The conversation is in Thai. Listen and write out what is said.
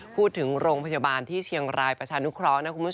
พูดถึงโรงพยาบาลที่เชียงรายประชานุคร้อง